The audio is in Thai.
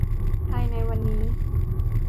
ภายในวันนี้